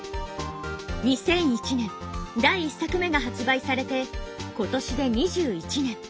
２００１年第１作目が発売されて今年で２１年。